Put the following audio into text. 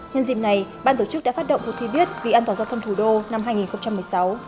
nhân dịp này ban tổ chức đã phát động cuộc thi viết vì an toàn giao thông thủ đô năm hai nghìn một mươi sáu